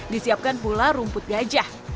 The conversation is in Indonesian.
disiapkan pula rumput gajah